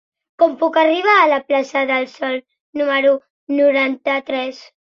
Com puc arribar a la plaça del Sol número noranta-tres?